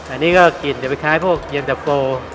อันนี้ก็กลิ่นเหมือนกับเย็นดับโฟ